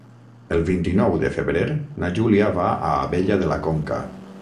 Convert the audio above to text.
El vint-i-nou de febrer na Júlia va a Abella de la Conca.